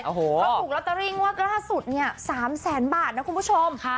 เขาถูกลอตเตอรี่งวดล่าสุดเนี่ย๓แสนบาทนะคุณผู้ชม